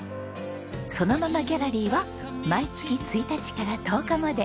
そのままギャラリーは毎月１日から１０日まで。